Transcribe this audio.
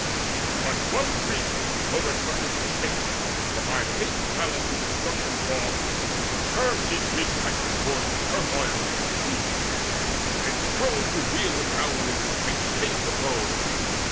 But one Greek, over trusting in his strength, Or by Fate's malice to destruction drawn, Curbed in mid flight from war's turmoil his steed, And strove to wheel him round into the fight To face the foe.